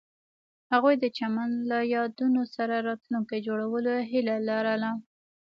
هغوی د چمن له یادونو سره راتلونکی جوړولو هیله لرله.